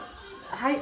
はい。